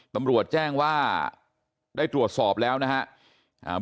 ตำรวจแจ้งว่าได้ตรวจสอบแล้วนะครับ